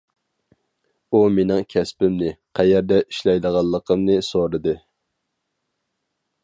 ئۇ مېنىڭ كەسپىمنى، قەيەردە ئىشلەيدىغانلىقىمنى سورىدى.